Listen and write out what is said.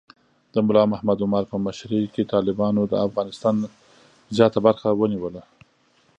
د ملا محمد عمر په مشرۍ کې طالبانو د افغانستان زیات برخه ونیوله.